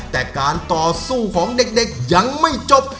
แต่การต่อสู้ของเด็กยังไม่จบ